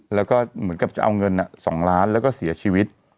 แล้วก็เหมือนกับจะเอาเงิน๒ล้านแล้วก็เสียชีวิต